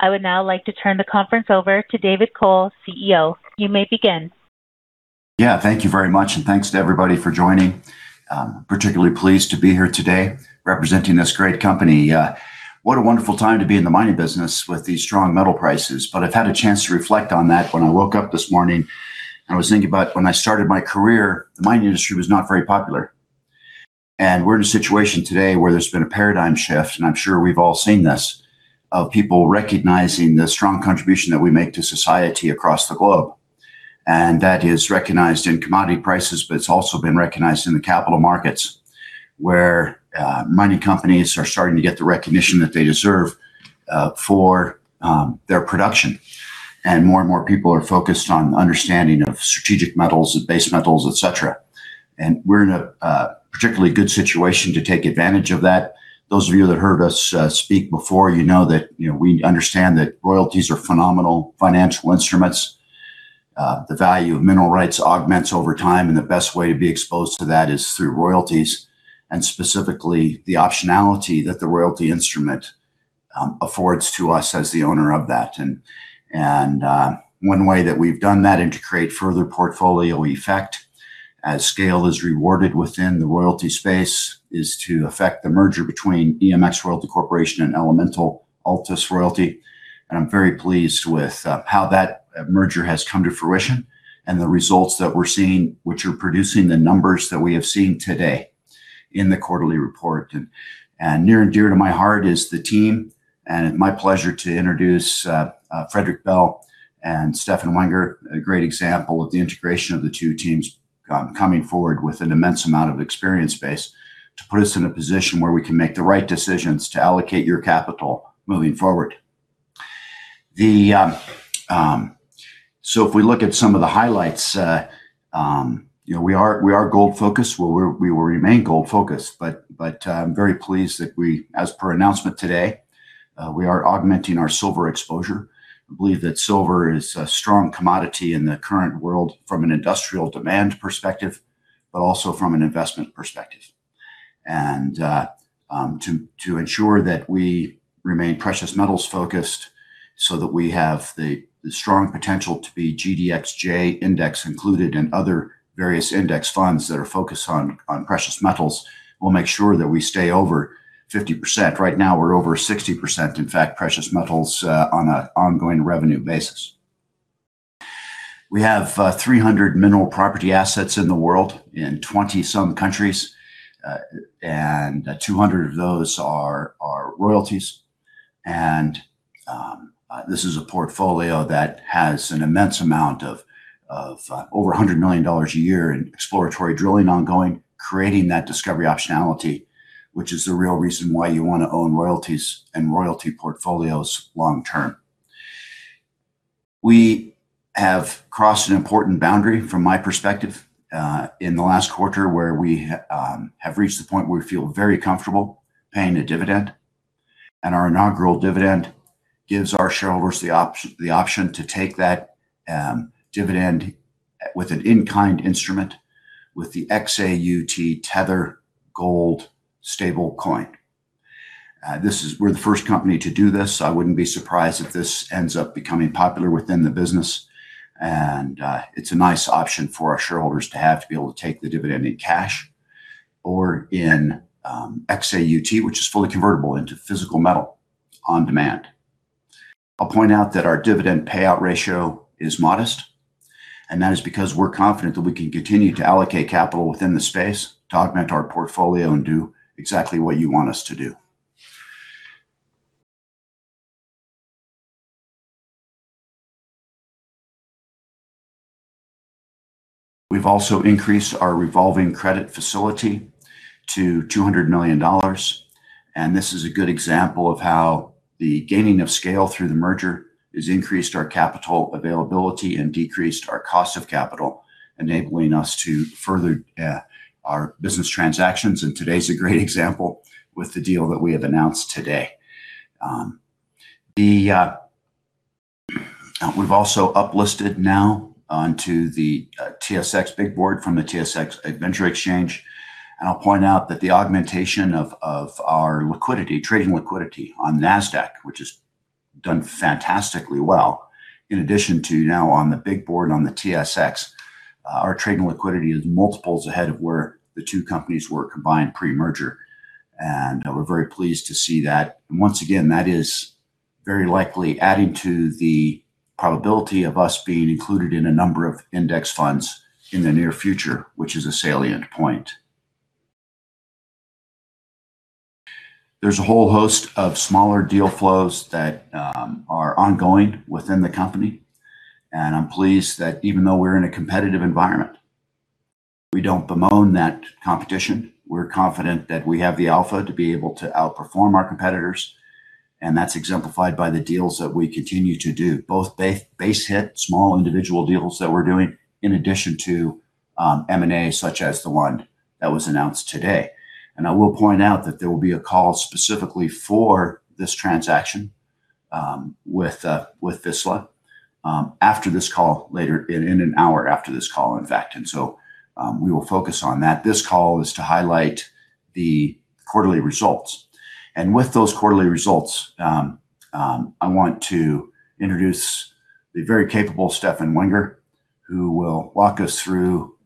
I would now like to turn the conference over to David Cole, CEO. You may begin. Yeah. Thank you very much, and thanks to everybody for joining. Particularly pleased to be here today representing this great company. What a wonderful time to be in the mining business with these strong metal prices. I've had a chance to reflect on that when I woke up this morning, and I was thinking about when I started my career, the mining industry was not very popular. We're in a situation today where there's been a paradigm shift, and I'm sure we've all seen this, of people recognizing the strong contribution that we make to society across the globe. That is recognized in commodity prices, but it's also been recognized in the capital markets, where mining companies are starting to get the recognition that they deserve for their production. More and more people are focused on understanding of strategic metals and base metals, et cetera. We're in a particularly good situation to take advantage of that. Those of you that heard us speak before, you know that, you know, we understand that royalties are phenomenal financial instruments. The value of mineral rights augments over time, and the best way to be exposed to that is through royalties, and specifically the optionality that the royalty instrument affords to us as the owner of that. One way that we've done that and to create further portfolio effect as scale is rewarded within the royalty space, is to effect the merger between EMX Royalty Corporation and Elemental Altus Royalty. I'm very pleased with how that merger has come to fruition and the results that we're seeing, which are producing the numbers that we have seen today in the quarterly report. Near and dear to my heart is the team, and my pleasure to introduce Frederick Bell and Stefan Wenger, a great example of the integration of the two teams coming forward with an immense amount of experience base to put us in a position where we can make the right decisions to allocate your capital moving forward. If we look at some of the highlights, you know, we are, we are gold focused. We remain gold focused, but I'm very pleased that we, as per announcement today, we are augmenting our silver exposure. I believe that silver is a strong commodity in the current world from an industrial demand perspective, but also from an investment perspective. To ensure that we remain precious metals focused so that we have the strong potential to be GDXJ index included and other various index funds that are focused on precious metals, we'll make sure that we stay over 50%. Right now, we're over 60%, in fact, precious metals, on a ongoing revenue basis. We have 300 mineral property assets in the world in 20-some countries, and 200 of those are royalties. This is a portfolio that has an immense amount of over 100 million dollars a year in exploratory drilling ongoing, creating that discovery optionality, which is the real reason why you wanna own royalties and royalty portfolios long term. We have crossed an important boundary, from my perspective, in the last quarter where we have reached the point where we feel very comfortable paying a dividend, and our inaugural dividend gives our shareholders the option to take that dividend with an in-kind instrument with the XAUT Tether Gold stablecoin. We're the first company to do this. I wouldn't be surprised if this ends up becoming popular within the business. It's a nice option for our shareholders to have to be able to take the dividend in cash or in XAUT, which is fully convertible into physical metal on demand. I'll point out that our dividend payout ratio is modest, and that is because we're confident that we can continue to allocate capital within the space to augment our portfolio and do exactly what you want us to do. We've also increased our revolving credit facility to 200 million dollars, and this is a good example of how the gaining of scale through the merger has increased our capital availability and decreased our cost of capital, enabling us to further our business transactions, and today's a great example with the deal that we have announced today. We've also uplisted now onto the TSX Big Board from the TSX Venture Exchange. I'll point out that the augmentation of our liquidity, trading liquidity on Nasdaq, which has done fantastically well, in addition to now on the Big Board on the TSX, our trading liquidity is multiples ahead of where the two companies were combined pre-merger. We're very pleased to see that. Once again, that is very likely adding to the probability of us being included in a number of index funds in the near future, which is a salient point. There's a whole host of smaller deal flows that are ongoing within the company. I'm pleased that even though we're in a competitive environment, we don't bemoan that competition. We're confident that we have the alpha to be able to outperform our competitors, that's exemplified by the deals that we continue to do, both base hit, small individual deals that we're doing, in addition to M&A such as the one that was announced today. I will point out that there will be a call specifically for this transaction with Vizsla, after this call, later in an hour after this call, in fact. We will focus on that. This call is to highlight the quarterly results. With those quarterly results, I want to introduce the very capable Stefan Wenger, who will walk us through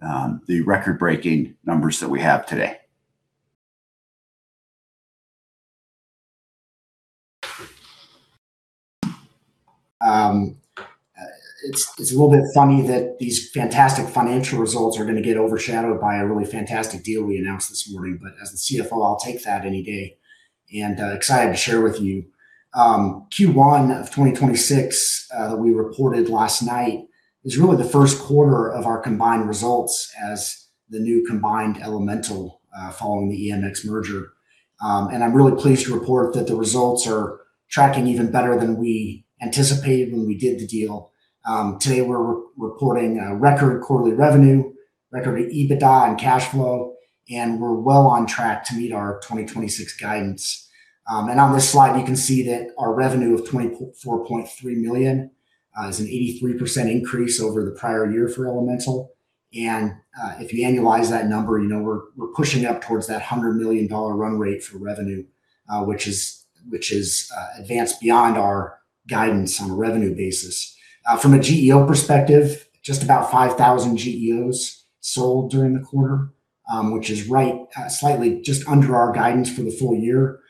the record-breaking numbers that we have today. It's a little bit funny that these fantastic financial results are gonna get overshadowed by a really fantastic deal we announced this morning. As the CFO, I'll take that any day, and excited to share with you. Q1 of 2026 that we reported last night is really the 1st quarter of our combined results as the new combined Elemental following the EMX merger. I'm really pleased to report that the results are tracking even better than we anticipated when we did the deal. Today we're reporting record quarterly revenue, record EBITDA and cash flow, and we're well on track to meet our 2026 guidance. On this slide, you can see that our revenue of 24.3 million is an 83% increase over the prior year for Elemental. If you annualize that number, you know, we're pushing up towards that 100 million dollar run rate for revenue, which is advanced beyond our guidance on a revenue basis. From a GEO perspective, just about 5,000 GEOs sold during the quarter, which is right slightly just under our guidance for the full year.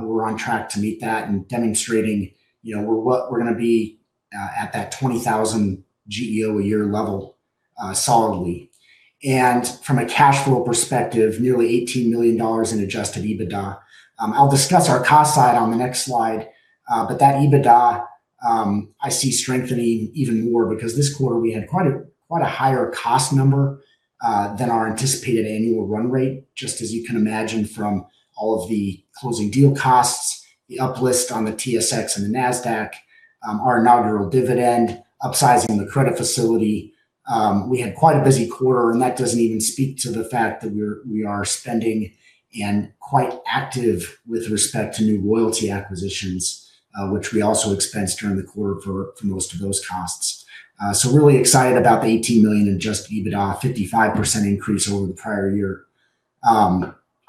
We're on track to meet that and demonstrating, you know, we're what we're going to be at that 20,000 GEO a year level solidly. From a cash flow perspective, nearly 18 million dollars in adjusted EBITDA. I'll discuss our cost side on the next slide. That EBITDA, I see strengthening even more because this quarter we had quite a higher cost number than our anticipated annual run rate, just as you can imagine from all of the closing deal costs, the uplist on the TSX and the Nasdaq, our inaugural dividend, upsizing the credit facility. We had quite a busy quarter, and that doesn't even speak to the fact that we are spending and quite active with respect to new royalty acquisitions, which we also expensed during the quarter for most of those costs. Really excited about the 18 million adjusted EBITDA, 55% increase over the prior year.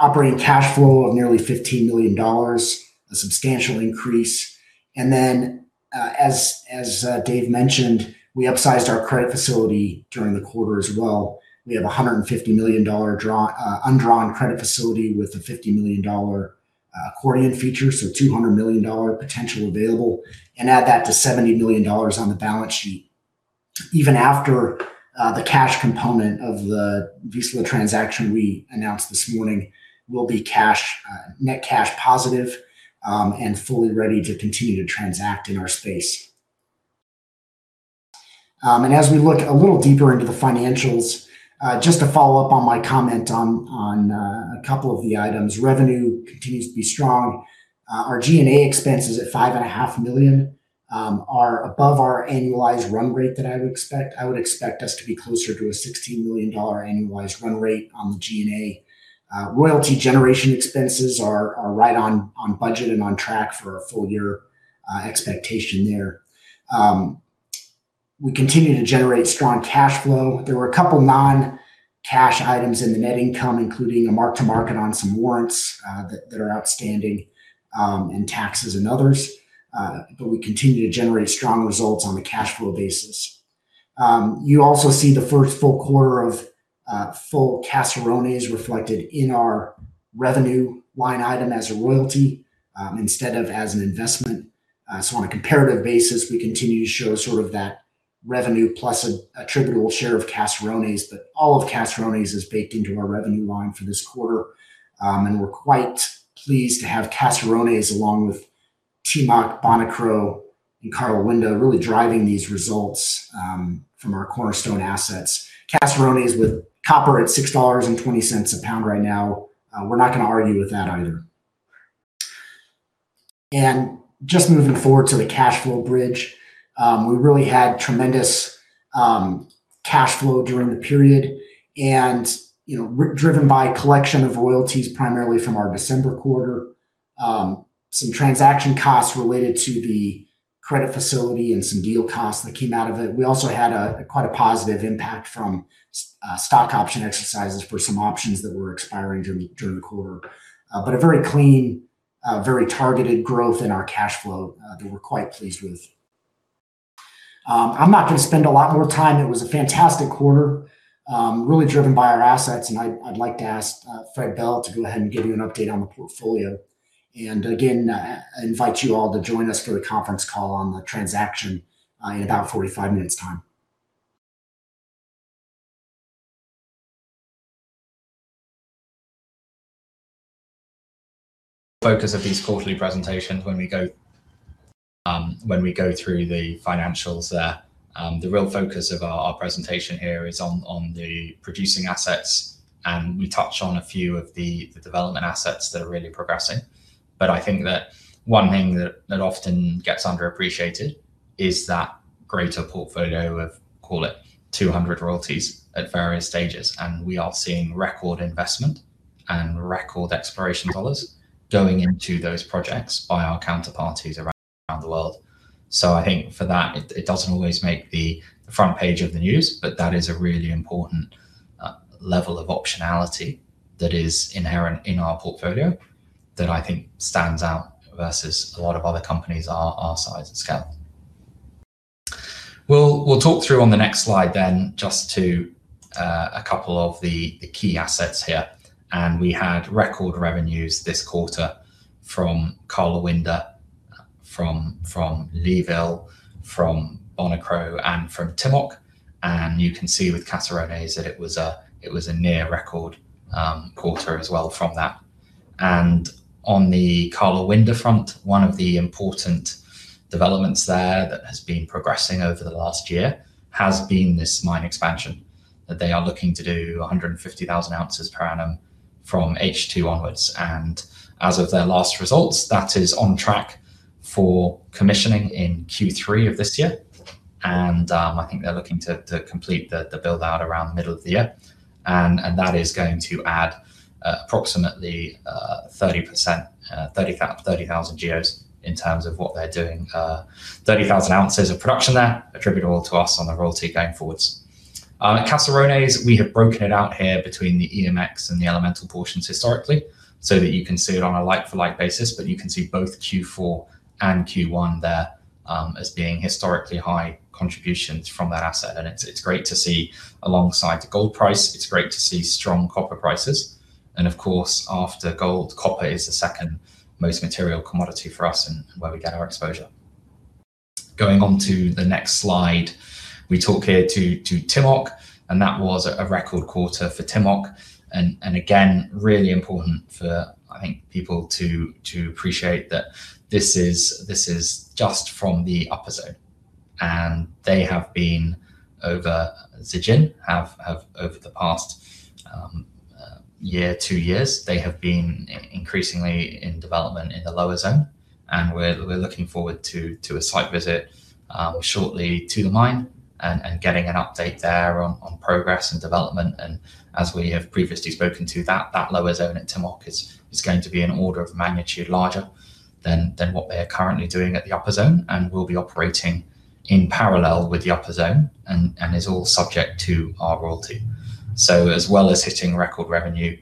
Operating cash flow of nearly 15 million dollars, a substantial increase. As David mentioned, we upsized our credit facility during the quarter as well. We have a 150 million dollar draw, undrawn credit facility with a 50 million dollar accordion feature, so 200 million dollar potential available. Add that to 70 million dollars on the balance sheet. Even after the cash component of the Vizsla transaction we announced this morning, we'll be cash net cash positive and fully ready to continue to transact in our space. As we look a little deeper into the financials, just to follow up on my comment on a couple of the items. Revenue continues to be strong. Our G&A expenses at 5.5 million are above our annualized run rate that I would expect. I would expect us to be closer to a 16 million dollar annualized run rate on the G&A. Royalty generation expenses are right on budget and on track for a full year expectation there. We continue to generate strong cash flow. There were two non-cash items in the net income, including a mark-to-market on some warrants that are outstanding, and taxes and others. We continue to generate strong results on a cash flow basis. You also see the 1st full quarter of full Caserones reflected in our revenue line item as a royalty instead of as an investment. On a comparative basis, we continue to show sort of that revenue plus a attributable share of Caserones, all of Caserones is baked into our revenue line for this quarter. We're quite pleased to have Caserones, along with Timok, Bonikro, and Carlin really driving these results from our cornerstone assets. Caserones with copper at $6.20 a pound right now, we're not going to argue with that either. Just moving forward to the cash flow bridge. We really had tremendous cash flow during the period and, you know, driven by collection of royalties primarily from our December quarter. Some transaction costs related to the credit facility and some deal costs that came out of it. We also had quite a positive impact from stock option exercises for some options that were expiring during the quarter. A very clean, very targeted growth in our cash flow that we're quite pleased with. I'm not going to spend a lot more time. It was a fantastic quarter, really driven by our assets. I'd like to ask Frederick Bell to go ahead and give you an update on the portfolio. Again, invite you all to join us for the conference call on the transaction, in about 45 minutes' time. Focus of these quarterly presentations when we go, when we go through the financials there. The real focus of our presentation here is on the producing assets, and we touch on a few of the development assets that are really progressing. I think that one thing that often gets underappreciated is that greater portfolio of, call it, 200 royalties at various stages, and we are seeing record investment and record exploration dollars going into those projects by our counterparties around the world. I think for that it doesn't always make the front page of the news, but that is a really important level of optionality that is inherent in our portfolio that I think stands out versus a lot of other companies our size and scale. We'll talk through on the next slide then just to a couple of the key assets here. We had record revenues this quarter from Karlawinda, from Leeville, from Bonikro, and from Timok. You can see with Caserones that it was a near record quarter as well from that. On the Karlawinda front, one of the important developments there that has been progressing over the last year has been this mine expansion that they are looking to do 150,000 ounces per annum from H2 onwards. As of their last results, that is on track for commissioning in Q3 of this year. I think they're looking to complete the build-out around the middle of the year. That is going to add 30%, 30,000 GEOs in terms of what they're doing. 30,000 ounces of production there attributable to us on the royalty going forwards. At Caserones, we have broken it out here between the EMX and the Elemental portions historically so that you can see it on a like-for-like basis, but you can see both Q4 and Q1 there as being historically high contributions from that asset. It's great to see alongside the gold price. It's great to see strong copper prices, of course, after gold, copper is the second most material commodity for us and where we get our exposure. Going on to the next slide, we talk here to Timok, and that was a record quarter for Timok and again, really important for, I think, people to appreciate that this is just from the upper zone. They have been over, Zijin have over the past year, two years, they have been increasingly in development in the lower zone, and we're looking forward to a site visit shortly to the mine and getting an update there on progress and development. As we have previously spoken to that lower zone at Timok is going to be an order of magnitude larger than what they are currently doing at the upper zone and will be operating in parallel with the upper zone and is all subject to our royalty. As well as hitting record revenue,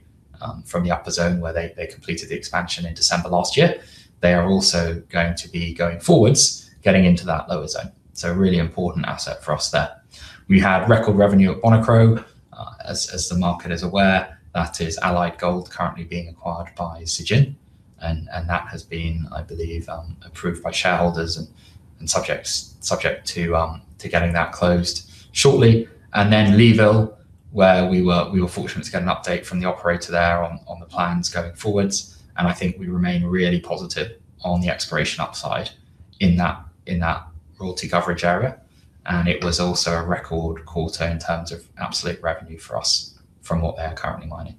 from the upper zone where they completed the expansion in December last year, they are also going forwards, getting into that lower zone. A really important asset for us there. We had record revenue at Bonikro. As the market is aware, that is Allied Gold currently being acquired by Zijin and that has been, I believe, approved by shareholders and subject to getting that closed shortly. Leeville, where we were fortunate to get an update from the operator there on the plans going forwards. I think we remain really positive on the exploration upside in that royalty coverage area. It was also a record quarter in terms of absolute revenue for us from what they are currently mining.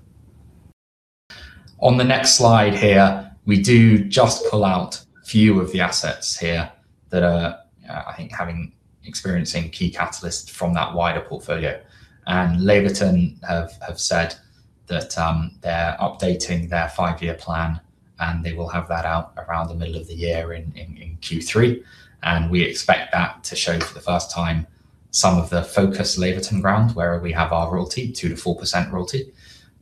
On the next slide here, we do just pull out a few of the assets here that are, I think experiencing key catalysts from that wider portfolio. Laverton have said that they're updating their five-year plan, and they will have that out around the middle of the year in Q3. We expect that to show for the first time some of the focused Laverton ground where we have our royalty, 2%-4% royalty,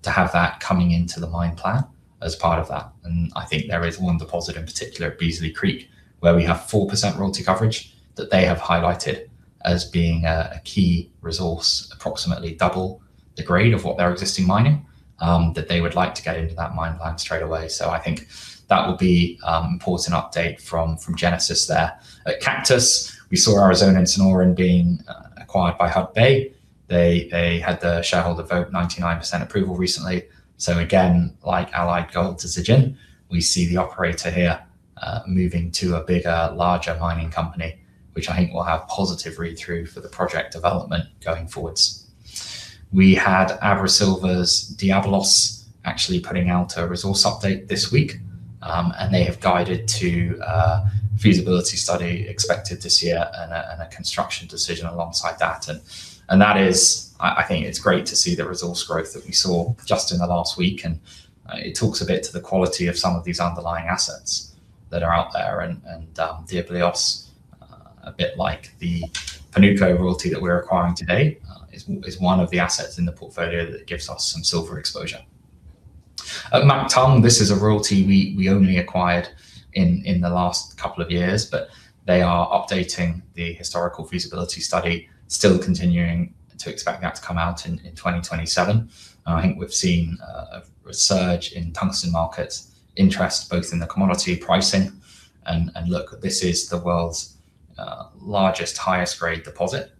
to have that coming into the mine plan as part of that. I think there is one deposit in particular, Beasley Creek, where we have 4% royalty coverage that they have highlighted as being a key resource, approximately double the grade of what they're existing mining, that they would like to get into that mine plan straight away. I think that will be an important update from Genesis there. At Cactus, we saw Arizona Sonoran being acquired by Hudbay. They had the shareholder vote 99% approval recently. Again, like Allied Gold to Zijin, we see the operator here moving to a bigger, larger mining company, which I think will have positive read-through for the project development going forwards. We had AbraSilver's Diablillos actually putting out a resource update this week, and they have guided to a feasibility study expected this year and a construction decision alongside that. That is I think it's great to see the resource growth that we saw just in the last week, and it talks a bit to the quality of some of these underlying assets that are out there. Diablillos, a bit like the Panuco royalty that we're acquiring today, is one of the assets in the portfolio that gives us some silver exposure. At Mactung, this is a royalty we only acquired in the last couple of years, but they are updating the historical feasibility study, still continuing to expect that to come out in 2027. I think we've seen a surge in tungsten market interest, both in the commodity pricing and look, this is the world's largest, highest grade deposit.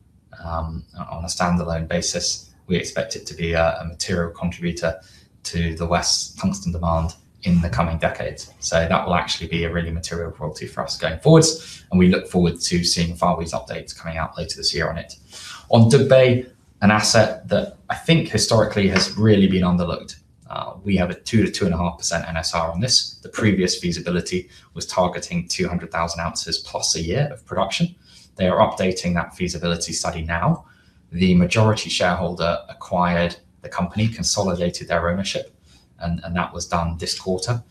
On a standalone basis, we expect it to be a material contributor to the West's tungsten demand in the coming decades. That will actually be a really material royalty for us going forwards, and we look forward to seeing Fireweed updates coming out later this year on it. On Dugbe, an asset that I think historically has really been underlooked. We have a 2% to 2.5% NSR on this. The previous feasibility was targeting 200,000 ounces plus a year of production. They are updating that feasibility study now. The majority shareholder acquired the company, consolidated their ownership. That was done this quarter,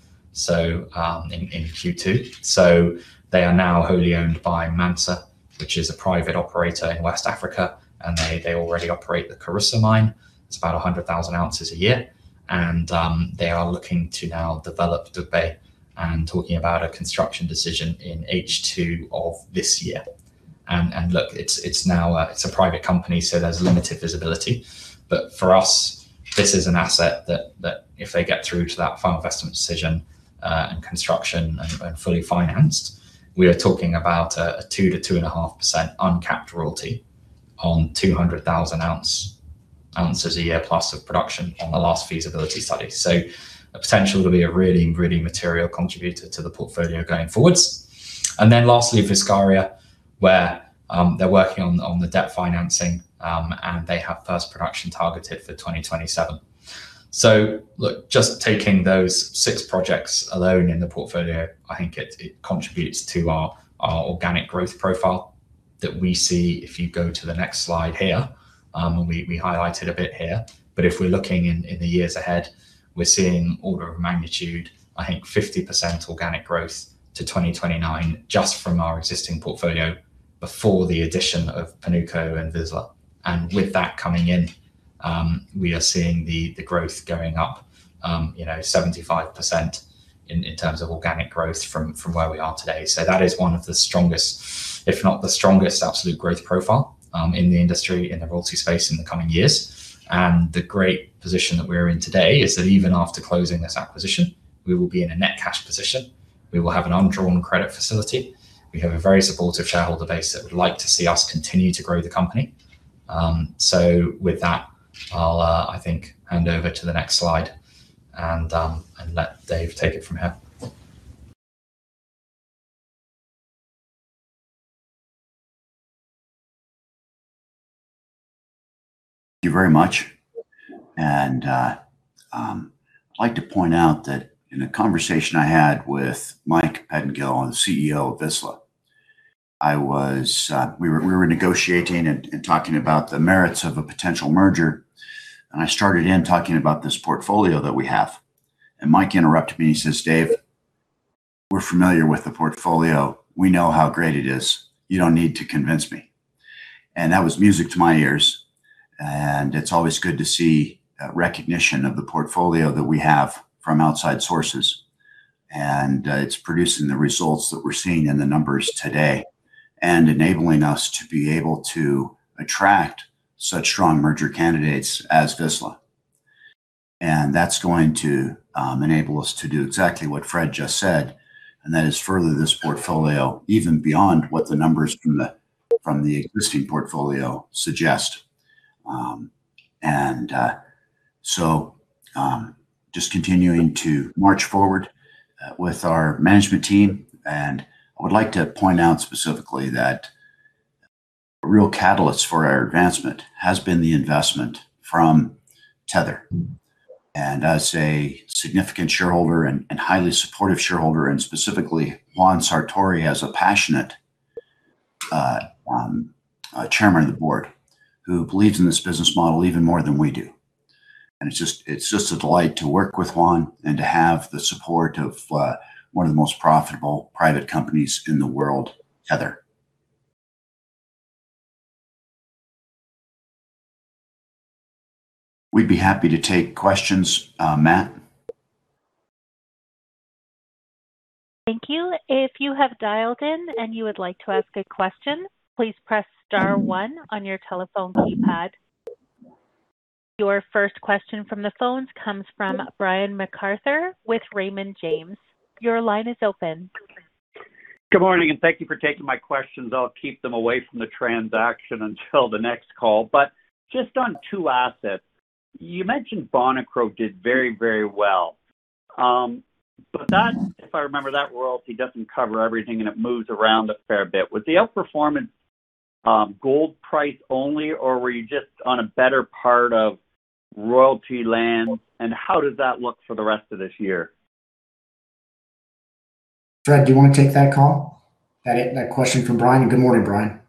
in Q2. They are now wholly owned by Mansa, which is a private operator in West Africa, and they already operate the Kouroussa mine. It's about 100,000 ounces a year. They are looking to now develop Dugbe and talking about a construction decision in H2 of this year. Look, it's now a private company, so there's limited visibility. For us, this is an asset that if they get through to that final investment decision, and construction and fully financed, we are talking about a 2%-2.5% uncapped royalty on 200,000 ounces a year plus of production on the last feasibility study. A potential to be a really material contributor to the portfolio going forwards. Lastly, Vizsla, where they're working on the debt financing, and they have first production targeted for 2027. Just taking those six projects alone in the portfolio, I think it contributes to our organic growth profile that we see if you go to the next slide here, and we highlighted a bit here. If we're looking in the years ahead, we're seeing order of magnitude, I think 50% organic growth to 2029 just from our existing portfolio before the addition of Panuco and Vizsla. With that coming in, we are seeing the growth going up, you know, 75% in terms of organic growth from where we are today. That is one of the strongest, if not the strongest absolute growth profile in the industry in the royalty space in the coming years. The great position that we're in today is that even after closing this acquisition, we will be in a net cash position. We will have an undrawn credit facility. We have a very supportive shareholder base that would like to see us continue to grow the company. With that, I'll, I think hand over to the next slide and let David take it from here. Thank you very much. I'd like to point out that in a conversation I had with Michael Pettingell, the CEO of Vizsla Silver, we were negotiating and talking about the merits of a potential merger. I started talking about this portfolio that we have. Michael interrupted me. He says, "David, we're familiar with the portfolio. We know how great it is. You don't need to convince me." That was music to my ears. It's always good to see recognition of the portfolio that we have from outside sources. It's producing the results that we're seeing in the numbers today and enabling us to be able to attract such strong merger candidates as Vizsla Silver. That's going to enable us to do exactly what Frederick Bell just said, and that is further this portfolio even beyond what the numbers from the existing portfolio suggest. Just continuing to march forward with our management team. I would like to point out specifically that a real catalyst for our advancement has been the investment from Tether. As a significant shareholder and highly supportive shareholder, and specifically Juan Sartori as a passionate Chairman of the Board who believes in this business model even more than we do. It's just a delight to work with Juan Sartori and to have the support of one of the most profitable private companies in the world, Tether. We'd be happy to take questions, Matt. Your first question from the phones comes from Brian MacArthur with Raymond James. Good morning. Thank you for taking my questions. I'll keep them away from the transaction until the next call. Just on two assets, you mentioned Bonikro did very, very well. That, if I remember that royalty doesn't cover everything and it moves around a fair bit. Was the outperformance gold price only, or were you just on a better part of royalty land, and how does that look for the rest of this year? Fred, do you wanna take that call? That question from Brian. Good morning, Brian.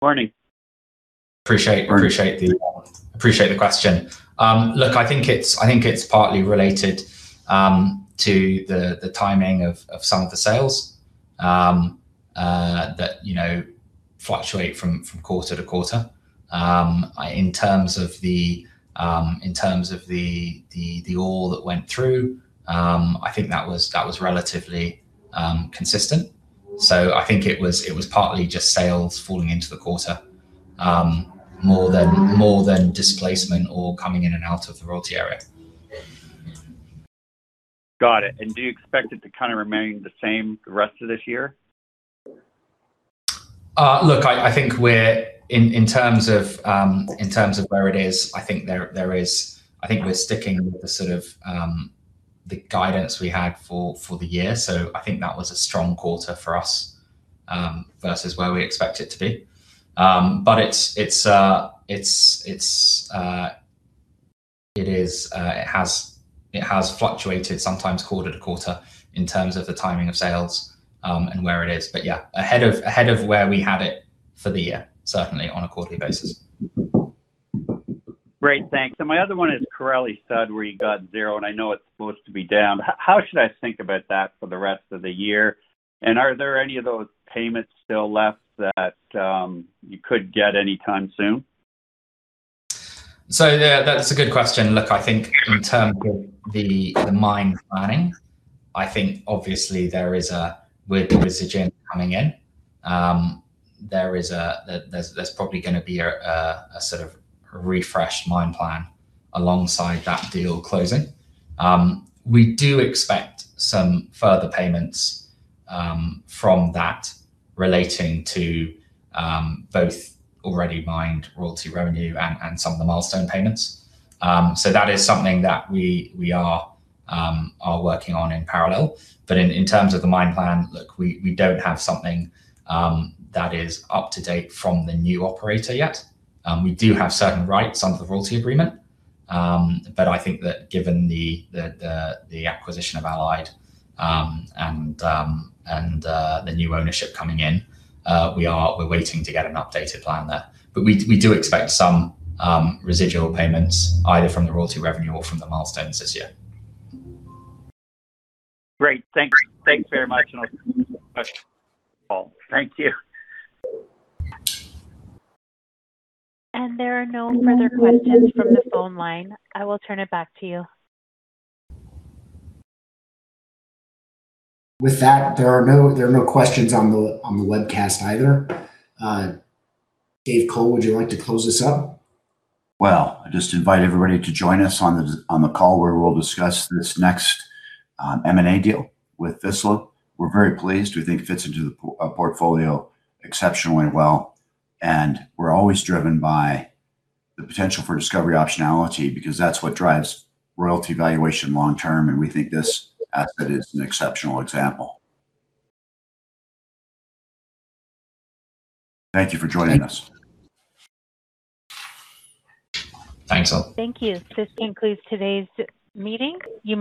Morning. Appreciate. Morning. Appreciate the question. Look, I think it is partly related to the timing of some of the sales that, you know, fluctuate from quarter to quarter. In terms of the ore that went through, I think that was relatively consistent. I think it was partly just sales falling into the quarter, more than displacement ore coming in and out of the royalty area. Got it. Do you expect it to kind of remain the same the rest of this year? Look, I think we're in terms of where it is, I think we're sticking with the sort of guidance we had for the year. I think that was a strong quarter for us versus where we expect it to be. It has fluctuated sometimes quarter to quarter in terms of the timing of sales and where it is. Yeah, ahead of where we had it for the year, certainly on a quarterly basis. Great. Thanks. My other one is Korali-Sud, where you got zero, and I know it's supposed to be down. How should I think about that for the rest of the year? Are there any of those payments still left that you could get any time soon? Yeah, that's a good question. Look, I think in terms of the mine planning, I think obviously there is a, with the residual coming in, there's probably gonna be a sort of refreshed mine plan alongside that deal closing. We do expect some further payments from that relating to both already mined royalty revenue and some of the milestone payments. That is something that we are working on in parallel. In terms of the mine plan, look, we don't have something that is up to date from the new operator yet. We do have certain rights under the royalty agreement. I think that given the acquisition of Allied, and the new ownership coming in, we're waiting to get an updated plan there. We do expect some residual payments either from the royalty revenue or from the milestones this year. Great. Thanks very much. I question. Thank you. There are no further questions from the phone line. I will turn it back to you. With that, there are no questions on the webcast either. David Cole, would you like to close this out? Well, I just invite everybody to join us on the call where we'll discuss this next M&A deal with Vizsla Silver. We're very pleased. We think it fits into the portfolio exceptionally well. We're always driven by the potential for discovery optionality because that's what drives royalty valuation long term. We think this asset is an exceptional example. Thank you for joining us. Thanks a lot. Thank you. This concludes today's meeting. You may disconnect at this time.